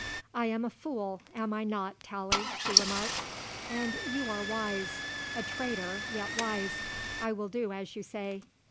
"I am a fool, am I not, Tallie," she remarked. "And you are wise; a traitor, yet wise. I will do as you say.